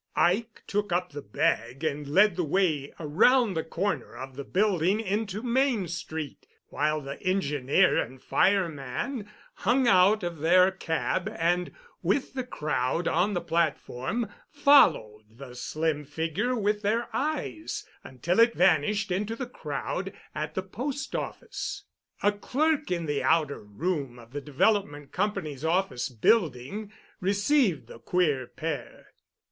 Ike took up the bag and led the way around the corner of the building into Main Street, while the engineer and fireman hung out of their cab and with the crowd on the platform followed the slim figure with their eyes until it vanished into the crowd at the post office. A clerk in the outer room of the Development Company's office building received the queer pair.